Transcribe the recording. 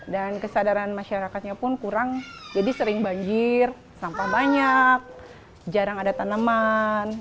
kesadaran masyarakatnya pun kurang jadi sering banjir sampah banyak jarang ada tanaman